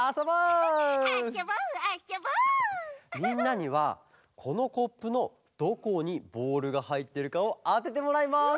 みんなにはこのコップのどこにボールがはいっているかをあててもらいます！